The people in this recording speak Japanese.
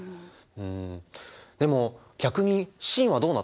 んでも逆に清はどうなったの？